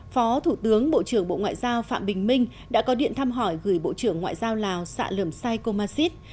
phó thủ tướng bộ trưởng bộ ngoại giao phạm bình minh đã có điện thăm hỏi gửi bộ trưởng ngoại giao lào sạ lầm sai komasit